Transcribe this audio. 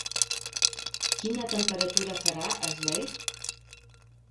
Quina temperatura farà a Slade?